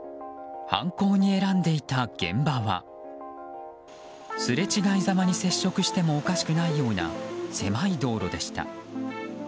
犯行に選んでいた現場はすれ違いざまに接触してもおかしくないような狭い道路でした。